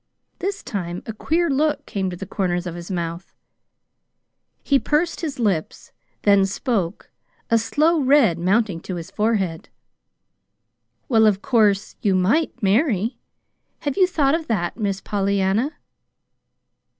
This time a queer look came to the corners of his mouth. He pursed his lips, then spoke, a slow red mounting to his forehead. "Well, of course you might marry. Have you thought of that Miss Pollyanna?"